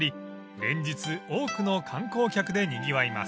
連日多くの観光客でにぎわいます］